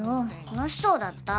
楽しそうだった。